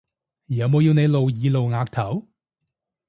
有冇要你露耳露額頭？